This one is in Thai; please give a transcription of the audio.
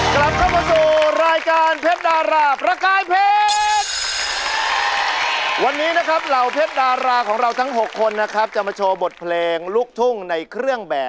กลับเข้ามาสู่รายการเพชรดาราประกายเพชร